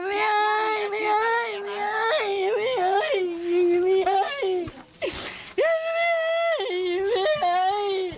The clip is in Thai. ไม่ให้ไม่ให้ไม่ให้